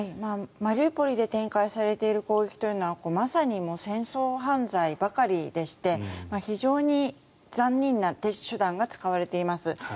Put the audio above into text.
マリウポリで展開されている攻撃というのはまさに戦争犯罪ばかりでして非常に残忍な手段が使われています。